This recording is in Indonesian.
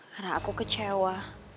karena aku kecewa